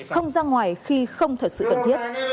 không ra ngoài khi không thật sự cần thiết